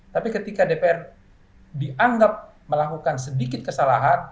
tapi ketika dpr dianggap melakukan sedikit kesalahan